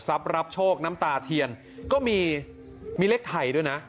รับโชคน้ำตาเทียนก็มีมีเลขไทยด้วยนะ